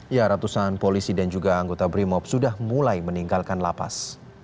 ya ratusan polisi dan juga anggota brimop sudah mulai meninggalkan lapas